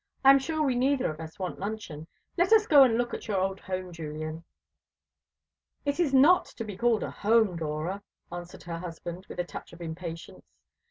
"I am sure we neither of us want luncheon. Let us go and look at your old home, Julian." "It is not to be called a home, Dora," answered her husband, with a touch of impatience.